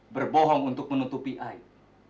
berbohong untuk menutupi air